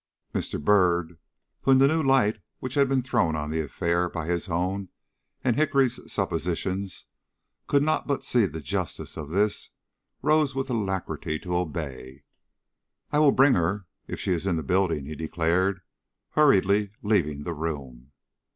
Mr. Byrd, who, in the new light which had been thrown on the affair by his own and Hickory's suppositions, could not but see the justice of this, rose with alacrity to obey. "I will bring her if she is in the building," he declared, hurriedly leaving the room.